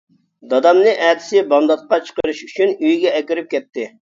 دادامنى ئەتىسى بامداتقا چىقىرىش ئۈچۈن ئۆيگە ئەكىرىپ كەتتى.